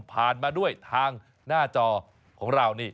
มาด้วยทางหน้าจอของเรานี่